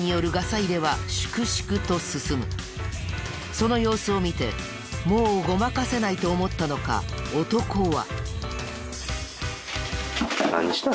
その様子を見てもうごまかせないと思ったのか男は。